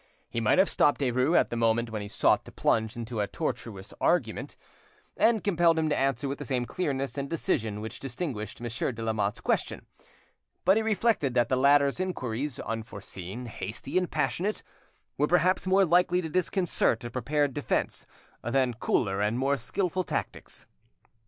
He might have stopped Derues at the moment when he sought to plunge into a tortuous argument, and compelled him to answer with the same clearness and decision which distinguished Monsieur de Lamotte's question; but he reflected that the latter's inquiries, unforeseen, hasty, and passionate, were perhaps more likely to disconcert a prepared defence than cooler and more skilful tactics.